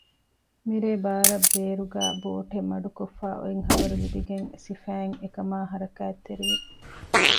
މިރޭ ބާރަށް ބޭރުގައި ބޯޓެއް މަޑުކޮށްފައި އޮތް ޚަބަރު ލިބިގެން ސިފައިން އެކަމާ ޙަރަކާތްތެރިވި